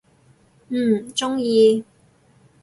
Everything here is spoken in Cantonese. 嗯，中意！